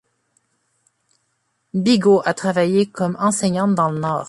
Bigot a travaillé comme enseignante dans le Nord.